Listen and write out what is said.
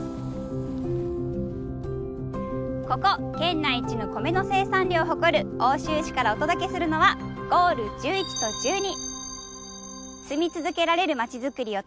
ここ県内一の米の生産量を誇る奥州市からお届けするのはゴール１１と１２。